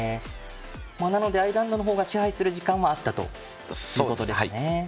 なのでアイルランドの方が支配する時間はあったということですね。